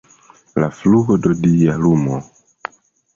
La fluo de dia lumo.